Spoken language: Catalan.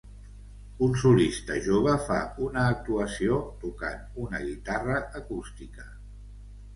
Un solista jove fa una actuació tocant una guitarra acústica.